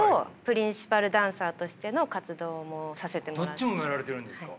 どっちもやられてるんですか。